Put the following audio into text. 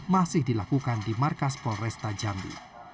masih dilakukan di markas polresta jambi